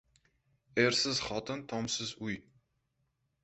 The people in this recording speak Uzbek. • Ersiz xotin — tomsiz uy.